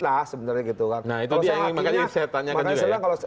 nah itu dia yang ingin saya tanya